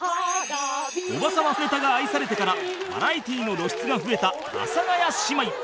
おばさまネタが愛されてからバラエティの露出が増えた阿佐ヶ谷姉妹